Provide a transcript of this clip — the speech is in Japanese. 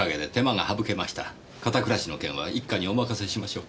片倉氏の件は一課にお任せしましょう。